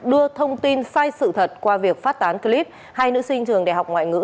đưa thông tin sai sự thật qua việc phát tán clip hai nữ sinh trường đại học ngoại ngữ